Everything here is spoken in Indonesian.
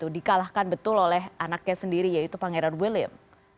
dikalahkan betul oleh anaknya sendiri yaitu pangeran william